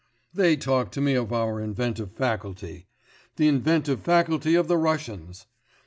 They talk to me of our inventive faculty! The inventive faculty of the Russians!